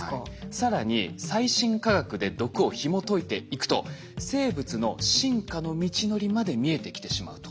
更に最新科学で毒をひもといていくと生物の進化の道のりまで見えてきてしまうと。